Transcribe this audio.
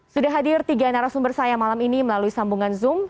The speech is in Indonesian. sudah hadir tiga narasumber saya malam ini melalui sambungan zoom